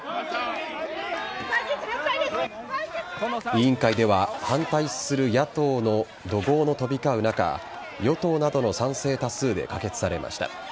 委員会では反対する野党の怒号の飛び交う中与党などの賛成多数で可決されました。